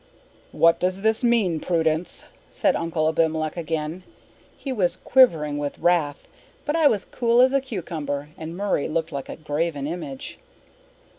"What does this mean, Prudence?" said Uncle Abimelech again. He was quivering with wrath, but I was as cool as a cucumber, and Murray stood like a graven image.